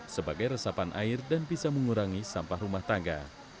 sebagai resapan air dan bisa mengurangi sampah rumah tangga